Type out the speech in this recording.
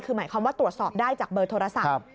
คือหมายความว่าตรวจสอบได้จากเบอร์โทรศัพท์